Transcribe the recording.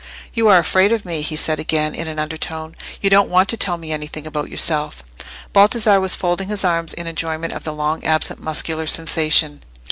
"You are afraid of me," he said again, in an undertone; "you don't want to tell me anything about yourself." Baldassarre was folding his arms in enjoyment of the long absent muscular sensation.